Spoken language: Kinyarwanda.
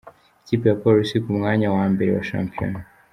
Ikipe ya polisi ku mwanya wa mbere wa shampiyona